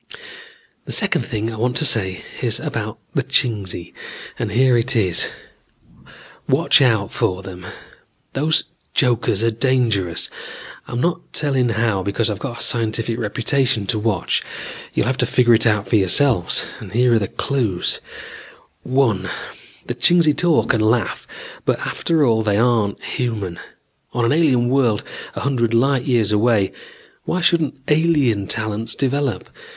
"The second thing I want to say is about the Chingsi, and here it is: watch out for them. Those jokers are dangerous. I'm not telling how because I've got a scientific reputation to watch. You'll have to figure it out for yourselves. Here are the clues: (1) The Chingsi talk and laugh but after all they aren't human. On an alien world a hundred light years away, why shouldn't alien talents develop?